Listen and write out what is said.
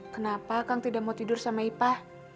kenapa kang tidak mau tidur sama ipah